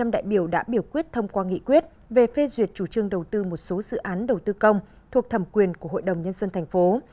một trăm linh đại biểu đã biểu quyết thông qua nghị quyết về phê duyệt chủ trương đầu tư một số dự án đầu tư công thuộc thẩm quyền của hội đồng nhân dân thành phố